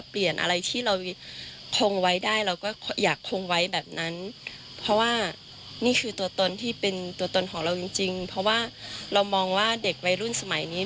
เพราะว่าเรามองว่าเด็กวัยรุ่นสมัยนี้